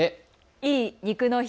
いい肉の日。